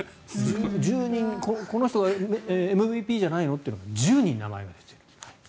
１０人、この人がＭＶＰじゃないのというのが１０人、名前が出ている。